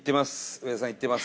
上田さん、行ってます。